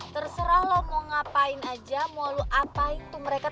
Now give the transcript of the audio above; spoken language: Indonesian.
terserah lo mau ngapain aja mau lo ngapain tuh mereka